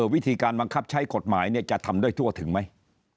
วิธีการบังคับใช้กฎหมายจะทำได้ทั่วถึงไหม